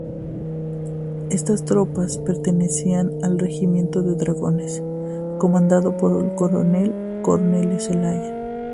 Estas tropas pertenecían al Regimiento de Dragones, comandado por el coronel Cornelio Zelaya.